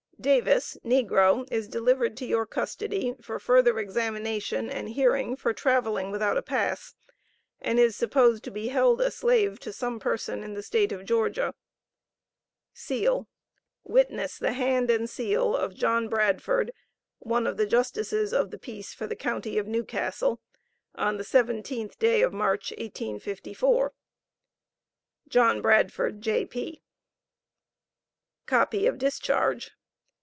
Davis (Negro) is delivered to your custody for further examination and hearing for traveling without a pass, and supposed to be held a Slave to some person in the State of Georgia. [Seal]. Witness the hand and seal of John Bradford, one of the Justices of the Peace for the county of Newcastle, the 17th day of March, 1854. JOHN BRADFORD, J.P. COPY OF DISCHARGE.